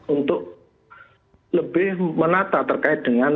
untuk lebih menata terkait dengan